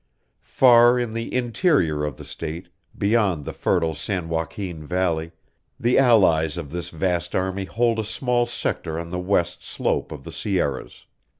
Far in the interior of the State, beyond the fertile San Joaquin Valley, the allies of this vast army hold a small sector on the west slope of the Sierras.